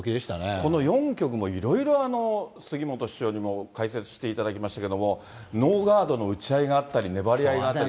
この４局もいろいろ杉本師匠にも解説していただきましたけれども、ノーガードの打ち合いがあったり、粘り合いがあったり。